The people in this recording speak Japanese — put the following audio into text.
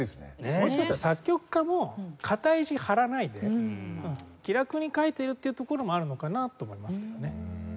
もしかしたら作曲家も肩ひじ張らないで気楽に書いてるっていうところもあるのかなと思いますけどね。